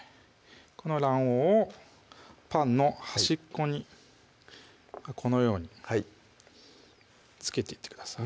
この卵黄をパンの端っこにこのように付けていってください